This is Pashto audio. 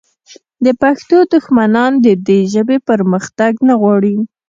د پښتنو دښمنان د دې ژبې پرمختګ نه غواړي